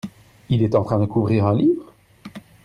Il est en train de couvrir un livre ?